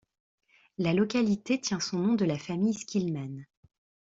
La localité tient son nom de la famille Skillman.